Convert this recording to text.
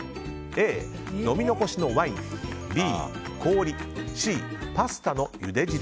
Ａ、飲み残しのワインＢ、氷Ｃ、パスタのゆで汁。